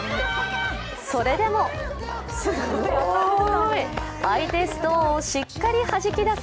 それでも相手ストーンをしっかりはじき出す